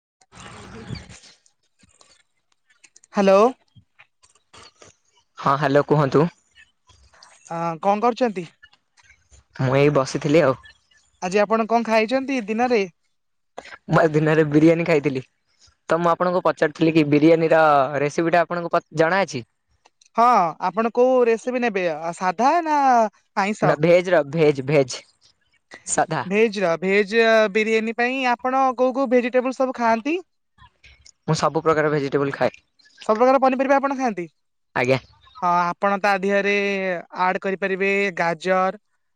[inaudible] Hello. ହଁ hello କୁହନ୍ତୁ। [inaudible] ଅଁ କଣ କରୁଛନ୍ତି। ମୁଁ ଏଇ ବସିଥିଲି ଆଉ। ଆଜି ଆପଣ କଣ ଖାଇଛନ୍ତି ଦିନରେ। ମୁଁ ଦିନରେ ବିରିୟାନୀ ଖାଇଥିଲି। ତ ମୁଁ ଆପଣଙ୍କୁ ପଚାରୁିଥିଲି କି ବିରିୟାନୀର ରେସିପି ଟା ଆପଣଙ୍କୁ ଜଣାଅଛି। ହଁ ଆପଣ କୋଉ ରେସିପି ନେବେ ସାଧା ନା ନା ଭେଜେର ଭେଜ୍ ଭେଜ୍ ଭେଜେର ଭେଜ ବିରିୟାନୀ ପାଇଁ ଆପଣ କୋଉ କୋଉ ଭେଜିଟେବୁଲ ସବୁ ଖାଆନ୍ତି। ମୁଁ ସବୁ ପ୍ରକାର ଭେଜିଟେବୁଲ ଖାଏ। ସବୁ ପ୍ରକାର [inaudible] ପନିପରିବା ଆପଣ ଖାଆନ୍ତି। ଆଜ୍ଞା ହଁ ଆପଣ ତା ଆଡ କରିପାରିବେ ଗାଜର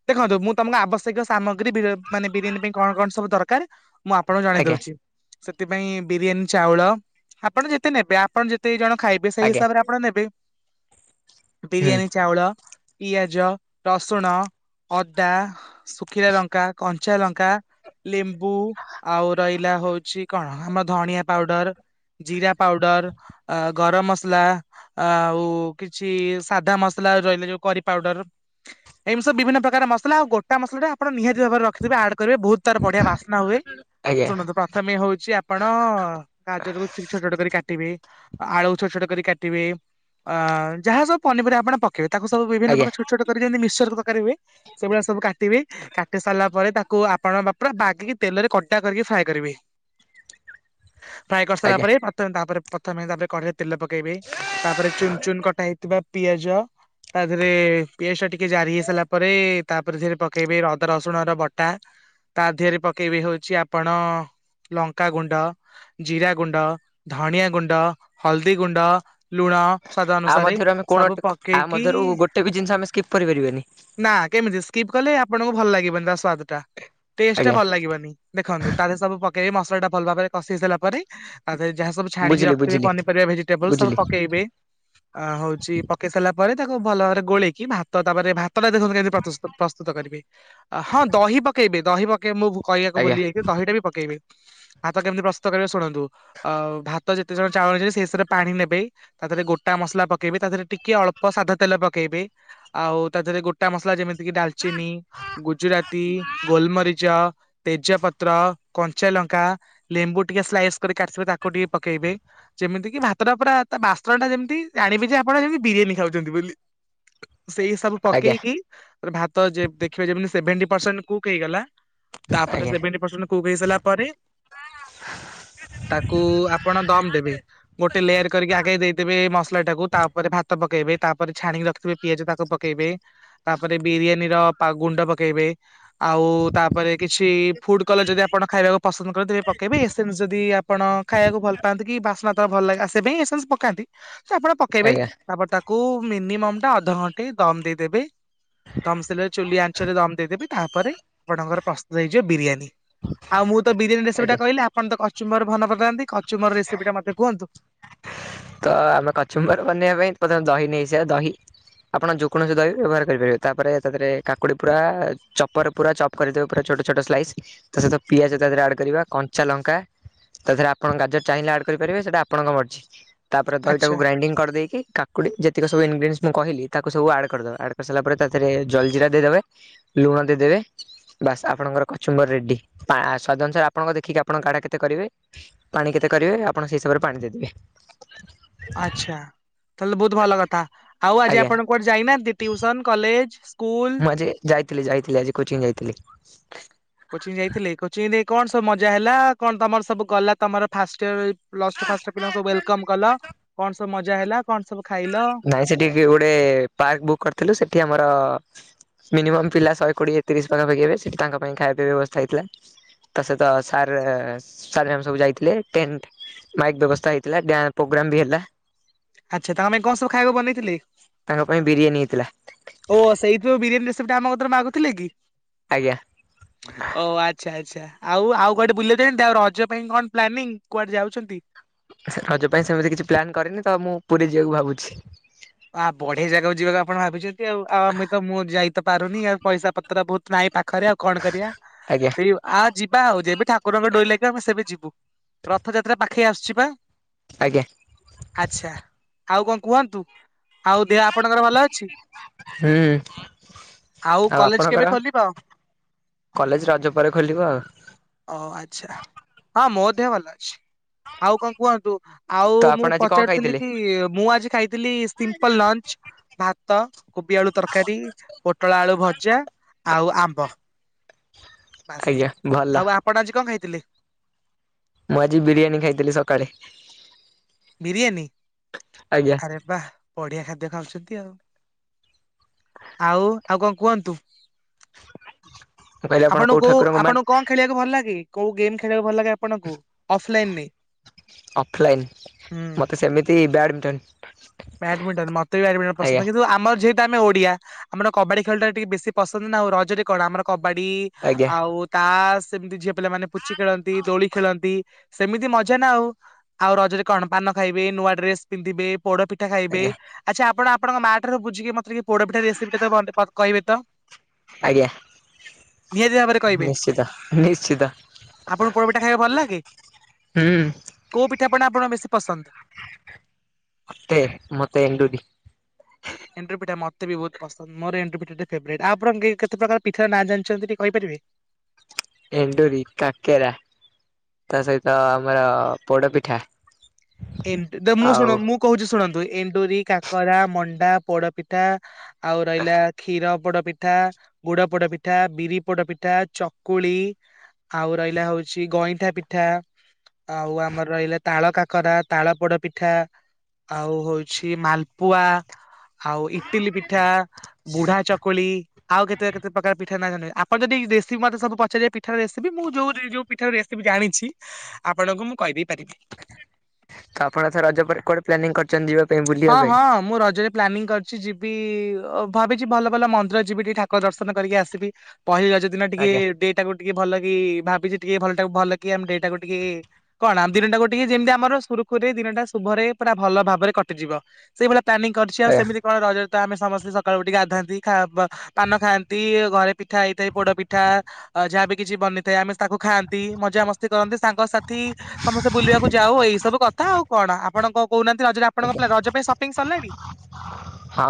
ଦେଖନ୍ତୁ ମୁଁ ତମ ଆବଶ୳ ସେ ସାମଗ୍ରୀ ମାନେ ବିରିୟାନୀ ପାଇଁ କଣ କଣ ସବୁ ଦରକାର ମୁଁ ଆପଣଙ୍କୁ ଜଣେଇ ଆଜ୍ଞା ଦଉଚି। ସେଥିପାଇଁ ବିରିୟାନୀ ଚାଉଳ ଆପଣ ଯେତେ ନେବେ। ଆପଣ ଯେତେ ଜଣ ଖାଇବେ ସେଇ ଆଜ୍ଞା ହିସାବରେ ଆପଣ ନେବେ ହୁଁ ବିରିୟାନୀ ଚାଉଳ ପିଆଜ ରସୁଣ ଅଦା ଶୁଖିଲା ଲଙ୍କା କଞ୍ଚା ଲଙ୍କା ଲେମ୍ବୁ ଆଉ ରହିଲା ହଉଛି। କଣ ଆମର ଧଣିଆ ପାଉଡର ଜିରା ପାଉଡର ଗରମ ମସଲା ଆଉ କିଛି ସାଧା ମସଲା ରହିଲା ଯୋଉ କରି ପାଉଡର। ଏମିତି ସବୁ ବିଭିନ୍ନ ପ୍ରକାର ମସଲା ଆଉ ଗୋ ଟା ମସଲା ଆପଣ ନିହାତି ଭାବରେ ରଖିଥିବେ ଆଡ କରିବେ ବହୁତ ତାର ବଢିଆ ବାସ୍ନା ହୁଏ ଆଜ୍ଞା। ଶୁଣନ୍ତୁ ପ୍ରଥମେ ହଉଛି ଆପଣ ଗାଜରକୁ ଟିକ ଛୋଟ ଛୋଟ କରି କାଟିବେ ଆଳୁ ଛୋଟ ଛୋଟ କରି କାଟିବେ ଅ ଯାହା ସବୁ ପନିପରିବା ଆପଣ ପ କେବେ ତାକୁ ସବୁ ଆଜ୍ଞା ବିଭିନ୍ନକାର ଛୋଟ ଛୋଟ କରିଦିଅନ୍ତି ଯେମିତି ମିକସର ତରକାରି ହୁଏ। ସେଇଭଳିଆ ସବୁ କା କାଟିବି କାଟି ସାରିଲା ପରେ ତାକୁ ଆପଣଙ୍କ ପୁରା ବାଗିକି ତେଲରେ କଡା କରିକି ଫ୍ରାଏ କରିବି। ଫ୍ରାଏ କରିସାରିଲା ଆଜ୍ଞା ପରେ ପାତ ତାପରେ ପ୍ରଥମେ ତାପରେ କ ତେଲ ପକେଇବେ ତାପରେ ଚୁନ ଚୁନ କଟା ହେଇଥିବା ପିଆଜ ତା ଦେହରେ ପିଆଜ ଟା ଟିକେ ଜାରି ହେଇସାରିଲା ପରେ ତାପରେ ଧରେ ପକେଇବେ ରଦ ରସୁଣ ର ବଟା ତା ଦେିହରେ ପକେଇବେ ହଉଛି ଆପଣ ଲଙ୍କା ଗୁଣ୍ଡ ଜିରା ଗୁଣ୍ଡ ଧଣିଆ ଗୁଣ୍ଡ ହଳଦୀ ଗୁଣ୍ଡ ଲୁଣ ସଵାଦ ଆ ଅନୁସାରେ ମଧ୍ୟରୁ ଆମେ କୋଣ ସବୁ ଆ ପକେଇକି ମଧ୍ୟରୁ ଗୋଟେ ବି ଜିନିଷ ଆମେ ସ୍କିପ୍ କରିପାରିବାନି। ନା କେମିତି ସ୍କିପ କଲେ ଆପଣଙ୍କୁ ଭଲ ଲାଗିବନ ତା ସ୍ଵାଦ ଟା ଟେଷ୍ଟ ଟା ଆଜ୍ଞା ଭଲ ଲାଗିବନି ଦେଖନ୍ତୁ ତାର ସବୁ ମସଲା ଟା ଭଲ ଭାବରେ କଷେଇସଲା ପରେ ଆଉ ଯାହା ସବୁ ଛାଣିକି ବୁଝିଲି ରଖଥିବେ ବୁଝିଲି ପନିପରିବା ଭେଜିଟେବଲ ସବୁ ବୁଝିଲି ପକେଇବେ ହଉଛି ପକେଇ ସାରିଲା। ପରେ ତାକୁ ଭଲ ଭାବରେ ଗୋଳେଇକି ଭାତ ତାପରେ ଭାତ ତ ଦେଖ କେମିତି ପ୍ରସ୍ତୁତ କରିବେ ହଁ ଦହି ପକେଇବେ ଦହି ପକେଇ ମୁଁ କହିବାକୁ ଆଜ୍ଞା ଭୁଲି ଯାଇକି ଦହିଟା ବି ପକେଇବି ଭାତ କେମିତି ପ୍ରସ୍ତୁତ କରିବେ ଶୁଣନ୍ତୁ ଆ ଭାତ ଯେତେ ଜଣ ଚାଉଳ ଅ ସେଷରେ ପାଣି ନେବେ ତା ଦେହରେ ଗୋଟା ମସଲା ପକେଇବେ ତା ଦେହରେ ଟିକେ ଅଳ୍ପ ସାଧା ତେଲ ପକେଇବେ ଆଉ ତା ଦେହରେ ଗୋଟା ମସଲା ଯେମିତି କିି ଡାଲଚିନି ଗୁଜୁରତିୀ ଗୋଲମରିଚ ତେଜପତ୍ର କଞ୍ଚାଲଙ୍କା ଲେମ୍ବୁ ଟିକେ ସ୍ଲାଇସ୍ କରିକ କାସିବେ ତାକୁ ଟିକେ ପକେଇବେ ଯେମିତି କି ଭାତର ପୁରା ତା ବାସ୍ତ୍ରଣ ଟା ଯେମିତି ଜାଣିବେ ଯେ ଆପଣ ଯେମିତି ବିରିୟାନୀ ଖାଉଛନ୍ତି ବୋଲି ସେଇ ସବୁ ଆଜ୍ଞା ପକେଇକି ଭାତ ଯ ଦେଖ ଖ ସେଭେଣ୍ଟିସଣ୍ଟ କୁଗଲା ତାପରେ ଆଜ୍ଞା ସେଭେଣ୍ ପରସେଣ୍ଟ କୁକ୍ ହେଇ ସାରିଲା ପରେ ତାକୁ ଆପଣ ଦମ ଦେବେ ଗୋଟେ ଲେୟାର କରିକି ଆଗେଇ ଦେଇଦେବେ ମସଲା ଟାକୁ ତାପରେ ଭାତ ପକେଇବେ ତାପରେ ଛାଣିକି ରଖିଥିବେ ପିଆଜ ତାକୁ ପକେଇବେ ତାପରେ ବିରିୟାନୀର ଗୁଣ୍ଡ ପକେଇବେ ଆଉ ତାପରେ କିଛି ଫୁଡ କଲର ଯଦି ଆପଣ ଖାଇବାକୁ ପସନ୍ଦ କନ୍ତି ତେବେ ପକେଇବେ ଏସେମ ଯଦିପଣାଇବାକୁ ଭଲ ପାଆନ୍ତି କି ବାସ୍ନା ଭଲ ଲାଗୋ ସେ ପାଇଁ ଏସୁ ପକାନ୍ତି ସେ ଆପଣ ପକେଇବେ ଆଜ୍ଞା ତାପରେ ତା କୁ ମିନିମମ୍ ଟା ଅଧଘଣ୍ଟେ ଦମ ଦେଇଦେବେ ତାମସିଲଟ ଚଆଞ୍ଚରେ ଦମ ଦେଇ ତାପରେ ଆପଣଙ୍କର ପ୍ରସ୍ତୁତ ହେଇଯିବ ବିରିୟାନୀ ଆଉ ମୁଁ ତ ବିରିୟାନୀ ରେସିପି ଟା ଆଜ୍ଞା। କହିଲି ଆପଣ ତ କ କଚୁମର ଭଲ କରିଥାନ୍ତି କଚୁମର ରେସିପି ଟା ମତେ କୁହନ୍ତୁ। ତ ଆମେ କଚମ୍ର ବନେଇବା ପାଇଁମେ ଦହି ନେଇ ସେ ଦହି ଆପଣ ଯେ କୌଣସି ଦହି ବ୍ୟବହାର କରିପାରିବେ ତାପରେ ତାରେ କାକୁଡି ପୁରା ଚପରେ ପୁରା ଚପ କରିଦବେ ପୁରା ଛୋଟ ଛୋଟ ସ୍ଲାଇସ୍ ତା ସହିତ ପିଆଜ ତା ଦେରେ ଆଡ୍ କରିବା କଞ୍ଚା ଲଙ୍କା ତା ଦେହରେ ଆପଣ ଗାଜର ଚାହିଁଲେ ଆଡ କରିପାରିବେ ସେଟା ଆପଣଙ୍କ ମର୍ଜି ତାପରେ ଦହିଟାକୁ ଆଚ୍ଛା ଗ୍ରାଇଣ୍ଡିଙ୍ଗ କରିଦେଇକି କାକୁଡି ଟିକେ ସବୁ ଇନଗ୍ରିଡିଏଣ୍ଟସ ମୁଁ କହିଲି ତାକୁ ସବୁ ଆଡ଼୍ କରିଦେବ ଆଡ଼୍ କରିସାରିଲା ପରେ ତା ଦେହରେ ଜଲ ଜିରା ଦେଇଦେବେ ଲୁଣ ଦେଇଦେବେ ବାସ୍ ଆପଣଙ୍କର କଚୁମ୍ବର ରେଡି ସ୍ଵାଦ ଅନୁସାରେ ଆପଣଙ୍କ ଦେଖିକି ଆପଣଙ୍କ କାଡ଼ା କେତେ କରିବେ ପାଣି କେତେ କରିବେ ଆପଣ ସେଇ ହିସାବରେ ପାଣି ଦେଇଦେବେ ଆଛା ତାହେଲେ ବହୁତ ଭଲ କଥା ଆଉ ଆଜି ଆଜ୍ଞା। ଆପଣ କୁଆଡେ ଯାଇନାହାନ୍ତି। Tuition college school? ମୁଁ ଆ ଯେ ଯାଇଥିଲି ଯାଇଥିଲି ଆଜି କୋଚିଂ ଯାଇଥିଲି। କୋଚିଂ ଯାଇଥିଲେ କୋଚିଂରେ କଣ ସବୁ ମଜା ହେଲା କଣ ତମର ସବୁ ଗଲା ତମର ଫାଷ୍ଟ ଫାଷ୍ଟ ଇୟର ପିଲାଙ୍କୁ ସବୁ ୱେଲକମ୍ କଲ କଣ ସ ମଜା ହେଲା କଣ ସବୁ ଖାଇଲ? ନାଇଁ ସେଠି ଗୋଟେ ପାର୍କ ବୁକ୍ କରିଥିଲୁ ସେଠି ଆମର ମିନିମ ପିଲା ଶହେ କୋଡିଏ ତିରିଶ ମାନ ପକେଇବେ ସେଠି ତାଙ୍କ ପାଇଁ ଖାଇବାବା ବ୍ୟବସ୍ତା ହେଇଥିଲା ତା ସହିତାଇ ହେଲା। ଆଚ୍ଛା ତାଙ୍କେ ଗସ ଖାଇବାକୁ ବନେଇଥିଲି। ତାଙ୍କ ପାଇଁ ବିରିୟାନୀ ହେଇଥିଲା ଓ ସେଇଥିପାଇଁ ବିରିୟାନୀ ରେସିପି ଟା ଆମ କତରେ ମାଗୁଥିଲେ କି? ଆଜ୍ଞା ଓ ଆଛା ଆଛା। ଆଚ୍ଛା ଆଉ ଆଉ କୁଆଡେ ବୁଲିଆକୁ ଜାଇନାନ୍ତି ଆଉ ରଜ ପାଇଁ କଣ ପ୍ଲାନିଂ କୁଆଡେ ଯାଉଛନ୍ତି। ସ ରଜ ପାଇଁ ସେମିତି କିଛି ପ୍ଲାନ୍ କରେନି ତ ମୁଁ ପୁରୀ ଯିବାକୁ ଭାବୁଛି। ଆ ବଢିଆ ଜାଗାକୁ ଯିବାକୁ ଆପଣ ଭାବିଛନ୍ତି। ଆଉ ଆମେ ତ ମୁଁ ଯାଇ ପାରୁନି ଆଉ ପଇସା ପତ୍ର ବହୁତ ନାଇଁ ପା ଖରେ ଆଉ କଣ କରିବା ଆଜ୍ଞା ସେଇ ଆଉ ଯିବା ଆଉ ଯବେ ଠାକୁରଙ୍କ ଡୋରି ଲାଗିବ ଆମେ ସେବେ ଯିବୁ ରଥଯାତ୍ରା ପାଖ ଖେଇ ଆସୁଛି ବା। ଆଜ୍ଞା ଆଚ୍ଛା। ଆଉ କଣ କୁହନ୍ତୁ। ଆଉ ଦେହ ଆପଣଙ୍କର ଭଲ ଅଛି। ହୁଁ ଆଉ କଲେଜ କେବେ ଖୋଲିବ କଲେଜ ରଜ ପରେ ଖୋଲିବ ଆଉ ଓ ଆଛା ହଁ ମୋ ଦେହ ଭଲ ଅଛି। ଆଉ କଣ କୁହନ୍ତୁ। ଆଉ ତ ମୁଁ ଆପଣ ଆଜି କଣ ପଚାରୁଥିଲି ଖାଇଥିଲେ? କି ମୁଁ ଆଜି ଖାଇଥିଲି ଭାତ କୋବି ଆଳୁ ତରକାରୀ ପୋଟଳ ଆଳୁ ଭଜା ଆଉ ଆମ୍ବ। ବାସ ଆଜ୍ଞା ଭଲ ଆଉ ଆପଣ ଆଜି କଣ ଖାଇ ଥିଲେ। ମୁଁ ଆଜି ବିରିୟାନୀ ଖାଇଥିଲି ସକାଳେ। ବିରିୟାନୀ ଆଜ୍ଞା ଆରେ ବା ବଢିଆ ଖାଦ୍ୟ ଖାଉଛନ୍ ନ୍ତୀ ଆଉ ଆଉ କଣ କୁହନ୍ତୁ। ମୁଁ କହିଲି ଆପଣ କୋଉ ଆପଣକୋଉ ଠାକୁରଙ୍କୁ ମାନେ ଆପଣଙ୍କୁ କଣ ଖେଳିବାକୁ ଭଲ ଲାଗେ। କୋଉ ଗେମ ଖେଳିଆକୁ ଭଲ ଲାଗେ ଆପଣଙ୍କୁ ଅଫଲାଇନ ରେ ହୁଁ। ମିଟନ୍। ବ୍ୟାଡମିଟନ ମତେ ବି ବ୍ୟାଡମିଟନ ପସନ୍ଦ କିନ୍ତୁ ଆମର ଯେହ ତୁ ଆମେ ଓଡିଆ ଆମର କବାଡି ଖେଳ ଟା ରେ ଟିକେ ବେଶୀ ପସନ୍ଦ ନା ଆଉ ରଜ ରେ କଣ ଆମର କ ବାଡି ଆଜ୍ଞା ଆଉ ତାସ। ସେମିତି ଝିଅ ପିଲାମାନେ ପୁଚି ଖେଳନ୍ତି ଦୋଳି ଖେଳନ୍ତି। ସେମିତି ମଜା ନା ଆଉ ଆଉ ରଜରେ କଣ ପାନ ଖାଇବେ ନୂଆ ଡ୍ରେସ ପିନ୍ଧିବେ ପୋଡ ପି ଖାଇବେ ଆଜ୍ଞା ଆଚ୍ଛା ଆପଣ ଆପଣଙ୍କ ମା ଠାରୁ ବୁଝିକି ମତେ ଟିକେ ପୋଡପିଠା ରେସିପି ଟା ତ ବନତେ କ କହିବେ ତ। ଆଜ୍ଞା [inaudible] ନିହାତି ଭାବରେ କହିବେ ନିଶ୍ଚିତ ନିଶ୍ଚିତ [inaudible] ଆପଣଙ୍କୁ ପୋଡପିଟା ଖାଇବାକୁ ଭଲ ଲାଗେ [inaudible] କୋଉ ପି ପିଠା ପଣା ଆପଣକୁ ବେଶୀ ପସନ୍ଦ। ମତେ ମତେ ଏଣ୍ଡୁରି। ଏଣ୍ଟରି ପିଠା ମତେ ବି ବହୁତ ପସନ୍ଦ ମୋର ଏଣ୍ଡୁରି ପିଠା ଟା ଫେବରାଇଟ ଆଉ ଆପଣ କେ କେତେ ପ୍ରକାର ପିଠାର ନାଁ ଜାଣିଛନ୍ତି ଟିକେ କହିପାରିବେ। ଏଣ୍ଡୁରି କାକେରା ତା ସହିତ ଆମର ପୋଡପିଠା। ଏମ ତ ମୁଁ ଶୁଣ ମୁଁ କହୁଛି ଶୁଣନ୍ତୁ ଏଣ୍ଡୁରି କାକରା ମଣ୍ଡା ପୋଡପିଠା ଆଉ ରହିଲା କ୍ଷୀର ପୋଡ ପିଠା ଗୁଡ ପୋଡ ପିଠା ବିରି ପୋଡ ପିଠା ଚକୁଳି ଆଉ ରହିଲା ହଉଛି ଗଇଁଠା ପିଠା ଆଉ ଆମର ରହିଲା ତାଳ କାକରା ତାଳ ପୋଡ ପିଠା ଆଉ ହଉଛି ମାଲପୁଆ ଆଉ ଇଟିଲି ପିଠା ବୁଢା ଚକୁଳି ଆଉ କେତେ କେତେ ପ୍ରକାର ପିଠା ନା ଆପଣ ଯଦି ରେସିପି ମତେ ସବୁ ପଚାରିବେ ପିଠା ରେସିପି ମୁଁ ଯୋଉ ଯୋଉ ପିଠା ରେ ଭୁସିପି ଜାଣିଛି ଆପଣଙ୍କୁ ମୁଁ କହିଦେଇ ପାରିବି ତ ଆପଣ କଣ ଏଥର ରଜ ପରେ କକୁଆ କୁଆଡେ ପ୍ଲାନିଂ କରିଛନ୍ତି ଯିବା ପାଇଁ ବୁଲିବା ହଁ ପାଇଁ ହଁ ମୁଁ ରଜରେ ପ୍ଲାନିଂ କରିଛି ଯିବି ଭାବିଛିି ଭଲ ଭଲ ମନ୍ଦିର ଯିବି ଟିକେ ଠାକୁର ଦର୍ଶନ କରିକି ଆସିବି ପହିଲି ରଜ ଦିନ ଟିକେ ଆଜ୍ଞା ଡେଟାକୁ ଟିକେ ଭଲ ଲାଗେ କି ଭାବିଛି ଟିକେ ଭଲ ଟାକୁ ଭଲ କି ଆମେ ଏଟାକୁ ଟିକେ କଣ ଆମ ଦିନଟାକୁ ଟିକେ ଯେମିତି ଆମର ସୁରୁଖୁରେ ଦିନଟା ଶୁଭରେ ପୁରା ଭଲ ଭାବରେ କ? ଯିବା ସେଇଭଳି ପ୍ଳାନିଂ କରିଛି ଆ ଆଜ୍ଞା ସେମତି କଣ ରଜ? ତ ଆମେ ସମସ୍ତେ ସକାଳୁ ଉଠିକି ଗାଧାନ୍ତି ପାନ ଖାଆନ୍ତି ଘରେ ପିଠା ହେଇଥାଏ ପୋଡ ପିଠା ଯାହାବି କିଛି ବନିଥାଏ ଆମେ ତାକୁ ଖାଆନ୍ତି ମଜାମସ୍ତି କରନ୍ତି ସାଙ୍ଗସାଥି ସମସ୍ତେ ବୁଲିବାକୁ ଯାଉ ଏଇ ସବୁ କଥା ଆଉ କଣ ଆପଣଙ୍କ କୋହୁନାହାନ୍ତି ଆପଣଙ୍କର ରଜ ପାଇଁ ସପିଙ୍ଗ ସରିଲେଣି ହଁ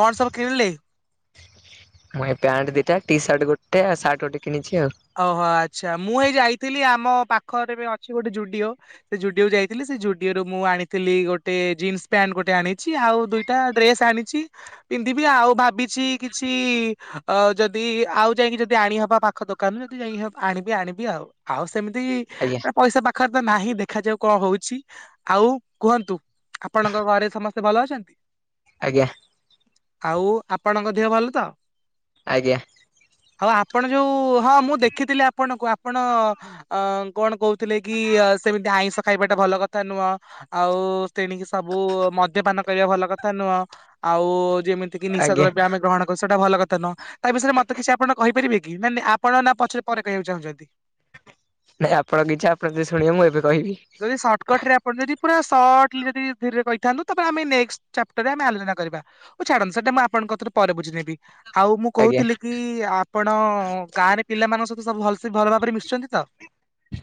କଣ ସବୁ କିଲି ମୁଁ ପ୍ୟାଣ୍ଟ ଦିଟା ଟି ସାର୍ଟ ଗୋଟେ ସାର୍ଟ ଗୋଟେ କିଣିଛି ଆଉ ଓହୋ ଆଚ୍ଛା ମୁଁ ଏଇ ଯାଇଥିଲି ଆମ ପାଖରେ ଅଛି ଗୋଟେ ଜୁଡିଓ ସେ ଜୁଡିଓକୁ ଯାଇଥିଲି ସେ ଜୁଡିଓରୁ ମୁଁ ଆଣିଥିଲି ଗୋଟେ ଜିନ୍ସ ପ୍ୟାଣ୍ଟ ଗୋଟେ ଆଣିଛି ଆଉ ଦୁଇଟା ଡ୍ରେସ ଆଣିଛି ପିନ୍ଧିବି ଆଉ ଭାବିଛି କିଛି ଯଦି ଆଉ ଯାଇକି ଯଦି ଆଣିହବା ପାଖ ଦୋ ଦୋକାନୁ ଯଦି ଯାଇକି ଆଣିବି ଆଣିବି ଆଉ ଆଉ ସେମିତି ଆଜ୍ଞା ପଇସା ପାଖରେ ତ ନାହିଁ ଦେଖାଯାଉ କଣ ହଉଛି ଆଉ କୁହନ୍ତୁ। ଆପଣଙ୍କ ଘରେ ସମସ୍ତେ ସେ ଭଲ ଅଛନ୍ତି। ଆଜ୍ଞା ଆଉ ଆପଣଙ୍କ ଦେହ ଭଲ ତ ଆଜ୍ଞା ଆଉ ଆପଣ ଯୋଉ ହଁ ମୁଁ ଦେଖିଥିଲି ଆପଣଙ୍କୁ ଆପଣ ଅ କଣ କହୁ ଥିଲେ କି ସେମିତି ଆତ୍ ଖାଇବାଟା ଭଲ କଥା ନୁହଁ ଆଉ ସେଣିକି ସବୁ ମଦ୍ୟପାନ କରିବା ଭଲ କଥା ନୁହଁ ଆଉ ଯେମିତି କି ନିଶା ଆଜ୍ଞା ଦ୍ରବ୍ୟମେ ଗ୍ରହଣ କରୁ ଟସେଟ ଭଲ କଥା। ତା ବିଷୟରେ ମତେ କିଛି ଆପଣ କହିପାରିବେ କି ନ ଆପଣ ନା ପଛରେ ପରେ କହିବାକୁ ଚାହୁଁଛନ୍ତି। ନାଇଁ ଆପଣ କିଛି ଆପଣ ଯେ ଶୁଣିବ ମୁଁ ଏବେ କହିବି ଯଦି ସର୍ଟକଟ୍ ରେ ଆପଣ ଯଦି ପୁରା ସଟଲି ଯଦି ଧୀରେ କହିଥାନ୍ତୁ ତାପରେ ଆମେ ନେକଷ୍ଟ ଚାପଟରରେ ଆମେ ଆଲୋଚନା କରିବା। ଛାଡନ୍ତୁ ସେଇଟା ମୁଁ ଆପଣଙ୍କ କତିରୁ ପରେ ବୁଝି ନେବି। ଆଉ ମୁଁ ଆଜ୍ଞା କହୁଥିଲି କି ଆପଣ ଗାଁରେ ପିଲାମାନଙ୍କ ସହିତ ସବୁ ଭଲ ସେ ଭଲ ଭାବରେ ମିଶୁଛନ୍ତି ତ?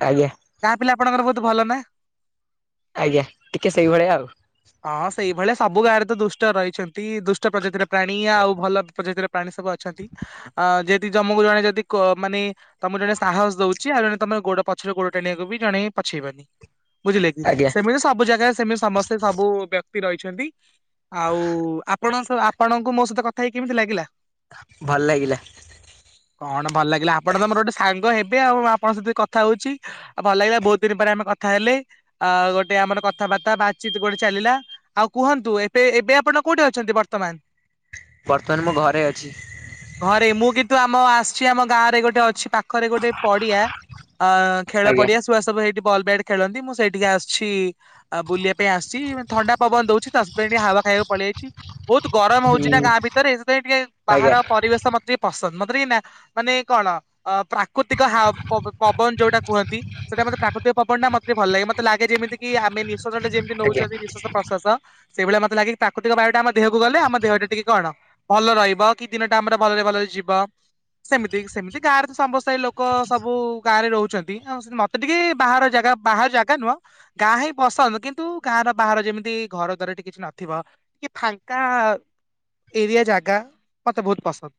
ଆଜ୍ଞା ଗାଁ ପିଲା ଆପଣଙ୍କର ଭଲ ନା? ଆଜ୍ଞା ଟିକେ ସେଇଭଳିଆ ଆଉ। ହଁ ସେଇଭଳିଆ ସବୁ ଗାଁରେ ତ ଦୁଷ୍ଟ ରହିଛନ୍ତି। ଦୁଷ୍ଟ ପ୍ରଜାତିର ପ୍ରାଣୀ ଆଉ ଭଲ ପ୍ରଜାତିର ପ୍ରାଣୀ ସବୁ ଅଛନ୍ତି। ଅ ଯେହେତି ଜମକୁ ଜଣେ ଯଦି ମାନେ ତମକୁ ଜଣେ ସାହସ ଦଉଛି। ଆଉ ଜଣେ ତମର ଗୋଡ ପଛରେ ଗୋଡ ଟାଣିବାକୁ ବି ଜଣେ ପଛେଇବନି? ବୁଝିଲେ କି ଆଜ୍ଞା ସେମିତି ସବୁ ଜାଗାରେ ସେମିତି ସମସ୍ତେ ସବୁ ରହିଛନ୍ତି ଆଉ ଆପଣଙ୍କ ଆପଣଙ୍କୁ ମୋ ସହିତ କଥା ହେଇକି କେମିତି ଲାଗିଲା? ଭଲ ଲାଗିଲା। କଣ ଭଲ ଲାଗିଲା ଆପଣ ତମର ଗୋଟେ ସାଙ୍ଗ ହେବେ ଆଉ। ଆପଣଙ୍କ ସହିତ କଥା ହଉଛି ଆଉ ଭଲ ଲାଗିଲା ବହୁତ ଦିନ ପରେ ଆମେ କଥା ହେଲେ ଆ ଗୋଟେ ଆମର କଥାବାର୍ତ୍ତା ବାତଚିତ ଗୋଟେ ଚାଲିଲା। ଆଉ କୁହନ୍ତୁ ଏବେ ଏବେ ଆପଣ କୋଉଠି ଅଛନ୍ତି ବର୍ତ୍ତମାନ? ବର୍ତ୍ତମାନ ମୋ ଘରେ ଅଛି। ତ ଆମ ଆସିଛି ଆମ ଗାଁ ରେ ଗୋଟେ ଅଛି ପାଖ ପାଖରେ ଗୋଟେ ପଡିଆ ଅ ଖେଳ ଆଜ୍ଞା ପଡିଆ ଶୁଆ ସବୁ ହେଇଠି ବଲ୍ ବ୍ୟାଟ୍ ଖେଳନ୍ତି। ମୁଁ ସେଇଠିକି ଆସିଛି ବୁଲିବା ପାଇଁ ଆସିଛି ଥଣ୍ଡା ପବନ ଦଉଛି ତ ଟିକେ ହାୱା ଖାଇବାକୁ ପଳେଇ ଆଇଛି। ବହୁତ ଗରମ ହଉଛି ନା ହୁଁ ଗାଁ ଭିତରେ ଏ ସେଥିପାଇଁ ଟିକେ ଆଜ୍ଞା ବାହାରର ପରିବେଶ ମତେ ଟିକେ ପସନ୍ଦ। ନା ମାନେ କଣ ଅ ପ୍ରାକୃତିକ ହାୱା ପବନ ଯୋଉଟା କୁହନ୍ତି। ସେଟା ମତେ ପ୍ରକୃତିକ ପବନ ନା ମତେ ଭଲ ଲାଗେ। ମତେ ଲାଗେ ଯେମତି କି ଆମେ ପ୍ରଟେ ଯେମିତି ଆଜ୍ଞା ନଉଛନ୍ତି ନିଶ୍ୱାସ ପ୍ରଶ୍ୱାସ ସେଇଭଳିଆ ମତେ ଲାଗେ ପ୍ରାକୃତିକ ବାୟୁ ଟା ଆମ ଦେହକୁ ଗଲେ ଆମ ଦେହଟା ଟିକେ କଣ ଭଲ ରହିବ। କି ଦିନଟା ଆମର ଭଲରେ ଭଲରେ ଯିବ। ସେମିତି ସେମିତି ଗାଁରେ ତ ସମସ୍ତେ ଲୋକ ଲୋକ ସବୁ ଗାଁ ରେ ରହୁଛ ଆଉ ମତେ ଟିକେ ବାହାର ଜାଗା ବାହାର ଜାଗା ନୁହଁ ଗାଁ ହିଁ ପସନ୍ଦ। କିନ୍ତୁ ଗାଁର ବାହାର ଯେମିତି ଘର ଦାର ଟିକେ କିଛି ନଥିବ। ଟିକେ ଫାଙ୍କା ଏରିଆ ଜାଗା ମତେ ବହୁତ ପସନ୍ଦ।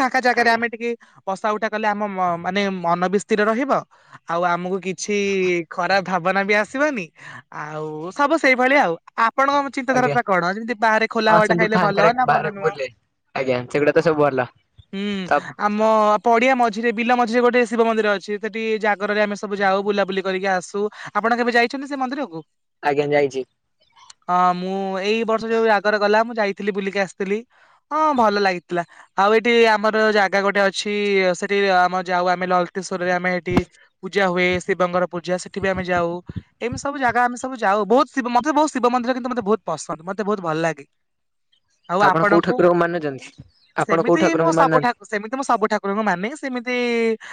ତାଙ୍କା ଜାଗାରେ ଆଜ୍ଞା ଆମେ ଟିକେ ବସା ଉଠା କଲେ ଆମ ମ ମାନେ ମନ ବି ସ୍ଥିର ରହିବ। ଆଉ ଆମକୁ କିଛି କିଛି ଖରାପ ଭାବନା ବି ଆସିବନି। ଆଉ ସବୁ ସେଇଭଳିଆ ଆ ଆପଣଙ୍କ ଆଜ୍ଞା ଚିନ୍ତାଧାରାଟା କଣ? ଯେମିତି ବାହାରେ ଖୋଲା ହଁ ହାୱାଟା ସେମିତି ଖାଇଲେ ଭଲ ଫାଙ୍କାରେ ନା ଭଲ ବାହାରେ ନୁହଁ। ବୁଲେ। ଆଜ୍ଞା ସେଗୁଡା ତ ସବୁ ଭଲ ହୁଁ ତ ଆମ ପଡିଆ ମଜ ଝିରେ ବିଲ ମଝିରେ ଗୋଟେ ଶିବ ମନ୍ଦିର ଅଛି। ସେଠି ଜାଗରରେ ଆମେ ସବୁ ଯାଉ। ବୁଲାବୁଲି କରିକି ଆସୁ। ଆପଣ କେବେ ଯାଇଛନ୍ତି ସେ ମନ୍ଦିରକୁ? ଆଜ୍ଞା ଯାଇଛି ହଁ ମୁଁ ଏଇ ବର୍ଷ ଯୋଉ ଜାଗର ଗଲା। ମୁଁ ଯାଇ ଥିଲି ବୁଲିକି ଆସିଥିଲି। ହଁ ଭଲ ଲାଗିଥିଲା ଆଉ ଏଠି ଆମର ଜାଗା ଗୋଟେ ଅଛି ଇ-ଇ ସେଠି ଆମ ଯାଉ ଆମେ ଲଲତି ରେ ଆମେ ଏଠି ପୂଜା ହୁଏ। ଶିବଙ୍କର ପୂଜା ସେଠି ହୁଏ ଆମେ ଯାଉ। ଏମିତି ସବୁ ଜାଗା ଆମେ ସବୁ ଯାଉ। ବହୁତ ଶିବ୍ ମ ମତେ ତ ବହୁତ ଶିବ ମନ୍ଦିର କିନ୍ତୁ ମତେ ବହୁତ ପସନ୍ଦ। ମତେ ବହୁତ ଭଲ ଲାଗେ। ଆଉ ତ ଆପଣ କୋଉ ଆପଣଙ୍କୁ? ଠାକୁରଙ୍କୁ ମାନୁଛନ୍ତି? ଆପଣ କୋଉ ସେମିତି ମୁଁ ଠାକୁରଙ୍କୁ ସବୁ ମାନନ୍ତି ଠାକୁ ସେମିତି ମୁଁ ସବୁ ଠାକୁରଙ୍କୁ ମାନେ। ନ୍ତି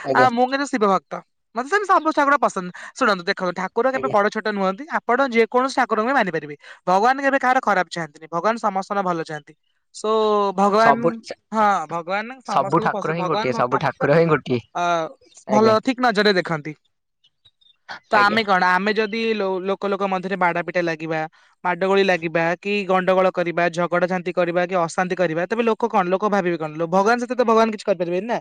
ଆଜ୍ଞା ଆ ମୁ କିନ୍ତୁ ଶିବ ଭକ୍ତ। ମତେ ସେମେ ସଵୁ ପସନ୍ଦ ଶୁଣନ୍ତୁ ଦେଖ ତ ଠାକୁର କେବେ ଆଜ୍ଞା ବଡ ଛୋଟ ନୁହନ୍ତି ଆ ଆପଣ ଯେକୌଣସି ଠାକୁରଙ୍କୁ ବି ମାନିପାରିବେ। ଭଗବାନ କେବେ କାହାର ଖରାପ ଚାହାଆନ୍ତିନି। ଭଗବାନ ସମସ୍ତଙ୍କ ଭଲ ଚାହାନ୍ତି। ସୋ-ଓ ଭଗବାନ ସବୁ ହଁ ଭଗବାନ ସବୁ ସମସ୍ତଙ୍କୁ ଠାକୁର ପଶୁ ହିଁ ଭଗବାନ ଗୋଟିଏ [unintelligible] ସବୁ ଠାକୁର ସମସ୍ତଙ୍କୁ ହିଁ ଗୋଟିଏ ଅ ଭଲ ଆଜ୍ଞା ଠିକ ନଜରରେ ଦେଖନ୍ତି। ତ ଆଜ୍ଞା ଆମେ କଣ ଆମେ ଯଦି ଲୋ ଲୋକ ଲୋକ ମଧ୍ୟରେ ବାଡା ପିଟା ଲାଗିବା, ମାଡ଼ଗୋଳି ଲାଗିବା, କି ଗଣ୍ଡଗୋଳ କରିବା, ଝଗଡାଝାନ୍ତି କରିବା, କି ଅଶାନ୍ତି କରିବା ତେବେ ଲୋକ କଣ ଲୋକ ଭାବିବେ କଣ ଭଗବାନ ସହିତ ଭଗବାନ କିଛି କରିପାରିବେନି ନା।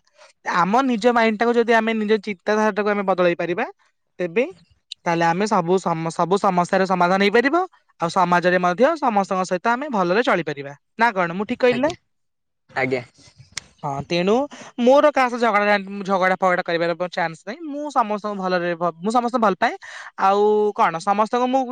ଆମ ନିଜ ମାଇଣ୍ଡ ଟାକୁ ଯଦି ଆମେ ନିଜ ଚିନ୍ତାଧାରା ଟାକୁ ଆମେ ବଦଳେଇ ପାରିବା ତେବେ ତାହେଲେ ଆମେ ସବୁ ସମ ସବୁ ସମସ୍ୟାର ସମାଧାନ ହେଇପାରିବ। ଆଉ ସମାଜରେ ମଧ୍ୟ ସମସ୍ତଙ୍କ ସହିତ ଆମେ ଭଲରେ ଚଳିପାରିବା। ନା କଣ ମୁଁ ଠିକ୍ କିହିଲି ନା? ଆଜ୍ଞା ଆଜ୍ଞା ହଁ ତେଣୁ ମୋର କାହା ସହ ଝଗଡା ଝାଟ ଝଗଡା ଫଗଡା କରିବାର ପ ଚାନ୍ସ ନାହିଁ। ମୁଁ ସମସ୍ତ ସବୁ ଭଲରେ ଭ ମୁଁ ସମସ୍ତେ ଭଲ ପାଏ। ଆଉ-ଉ-ଉ କଣ ସମସ୍ତଙ୍କୁ ମୁଁ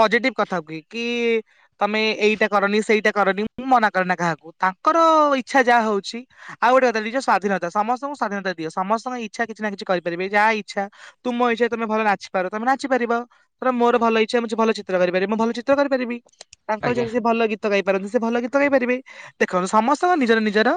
ପଜିଟିଭ କଥା କୁହେ କି-ଇ-ଇ ତମେ ଏଇଟା କରନି ସେଇଟା କରନି ମୁଁ ମନା କରେନା କାହାକୁ। ତାଙ୍କର ଇଚ୍ଛା ଯାହା ହଉଛି ଆଉ ଗୋଟେ କଥା ନିଜ ସ୍ଵାଧୀନତା ସମସ୍ତଙ୍କୁ ସ୍ଵାଧୀନତା ଦିଅ। ସମସ୍ତଙ୍କ ଇଚ୍ଛା କିଛି ନା କିଛି କରିପାରିବେ ଯାହା ଇ ଇଛା ତୁମ ଇଛା ତମେ ଭଲ ନାଚି ପାର ତମେ ନାଚିପାରିବ। ତ ମୋର ଭଲ ଇଛା ମୁଁ ଛି ଭଲ ଚିତ୍ର କରିପାରି ମୁଁ ଭଲ ଚିତ୍ର କରିପାରିବି। ତାଙ୍କର ଯି ଆଜ୍ଞା ଆଜ୍ଞା ସେ ଭଲ ଗୀତ ଗାଇ ପାରନ୍ତି, ସେ ଭଲ ଗୀତ ଗାଇପାରିବେ। ଦେଖନ୍ତୁ ସମସ୍ତଙ୍କ ନିଜର ନିଜର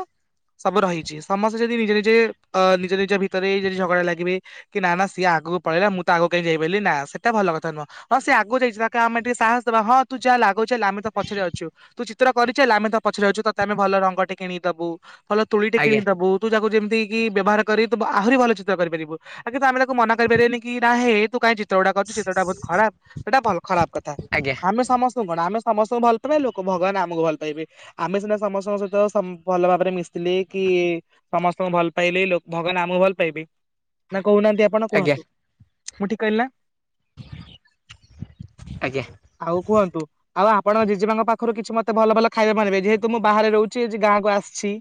ସବୁ ରହିଛି ସମସ୍ତେ ଯଦି ନିଜ ନିଜେ ଅ ନିଜ ନିଜ ଭିତରେ ଯଦି ଝଗଡା ଲାଗିବେ କି ନା ନା ସିଏ ଆଗକୁ ପଳେଇଲା ମୁଁ ତ ଆଗ କେହିଁ ଯାଇ ପାରିଲିନି ନା ସେଟା ଭଲ କଥା ନୁହଁ। ହଁ ସେ ଆଗକୁ ଯାଇଛି ତାକୁ ଆମେ ଟିକେ ସାହସ ଦେବା ହଁ ତୁ ଚାଲ ଆଗକୁ ଚାଲ ଆମେ ତ ପଛରେ ଅଛୁ। ତୁ ଚିତ୍ର କରିଚାଲ ଆମେ ତମ ପଛରେ ଅଛୁ। ତତେ ଆମେ ଭଲ ରଙ୍ଗଟେ କିଣିକି ଦବୁ। ଭଲ ତୁଳି ଟେ ଆଜ୍ଞା କିଣିକି ଦବୁ। ତୁ ଯା ଯେମ ଦେଇକି ବ୍ୟବହାର କରି ତୁ ଆହୁରି ଭଲ ଚିତ୍ର କରିପାରିବୁ। ଆ କିନ୍ତୁ ଆମେ ତାକୁ ମନା କରିପାରିବନି କି ନା ହେ ତୁ କଁ ଟା କରିଛୁ ଚିତ୍ରଟା ବହୁ ଖରାପ ସେଇଟା ଭଲ ଖରାପ କଥା ଆମେ ସମସ୍ତଙ୍କୁ କଣ ଆମେ ସମସ୍ତଙ୍କୁ ଭଲ ପାଇ ଲୋକ ଭଗବାନ ଆମକୁ ଭଲ ପାଇବେ। ଆମେ ସିନା ସମସ୍ତଙ୍କ ସହିତ ସମ ଭଲ ଭାବରେ ମିଶିଲେ କି ସମସ୍ତଙ୍କୁ ଭଲ ପାଇଲେ ଭଗବାନ ଆମକୁ ଭଲ ପାଇବେ। ନା କହୁନାହାନ୍ତି ଆପଣ ଆଜ୍ଞା ଆଜ୍ଞା କୁହନ୍ତୁ। ମୁଁ ଠିକ କହିଲି ନା। ଆଉ କୁହନ୍ତୁ ଆଉ ଆପଣ ଜେଜେମାଙ୍କ ପାଖରୁ କିଛି ମତେ ଭଲ ଭଲ ଖାଇବା ମ ନେବେ ଯେହେତୁ ମୁଁ ବାହାରେ ରହୁଛି ଗାଁକୁ ଆସିଛି।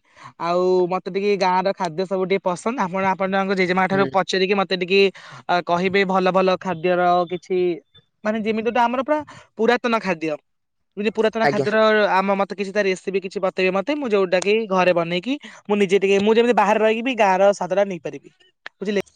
ଆଉ ମତେ ଟିକେ ଗାଁ ର ଖାଦ୍ୟ ସବୁ ଟିକେ ପସନ୍ଦ ଆପଣ ଆ ଆପ ତାଙ୍କ ଜେମାଠାରୁ ହୁଁ ପାରିକି ମତେ ସେ ଟିକି କହିବେ ଭଲ ଭଲ ଖାଦ୍ୟର କିଛି ମାନେ ଯେମିତିଟା ଆମର ପୁରା ପୁରାତନ ଖାଦ୍ୟ। ଯି ପୁରାତନ ଆଜ୍ଞା ଖାଦ୍ୟର ଆମ ମ ମେ କିଛି ଟା ରେସିପି କିଛି ବତେଇବି ମତେ ମୁଁ ଯୋଉଟା କି ଘରେ ବନେଇକି ମୁଁ ନିଜେ ଟିକେ ମୁଁ ଯେମିତି ବାହାରେ ରହିକି ଗାଁ ର ସାଧଟା ନେଇପାରିବି ବୁଝିଲେ।